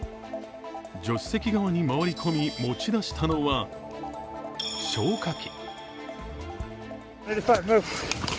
助手席側に回り込み持ち出したのは、消火器。